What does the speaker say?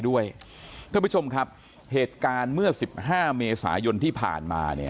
ท่านผู้ชมครับเหตุการณ์เมื่อ๑๕เมษายนที่ผ่านมาเนี่ย